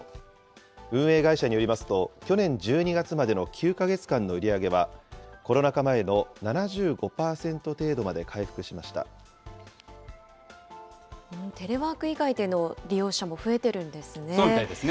運営会社によりますと、去年１２月までの９か月間の売り上げはコロナ禍前の７５％程度まテレワーク以外での利用者もそうみたいですね。